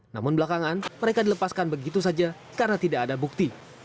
namun belakangan mereka dilepaskan begitu saja karena tidak ada bukti